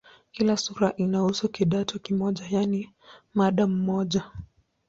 Kila sura inahusu "kidato" kimoja, yaani mada moja.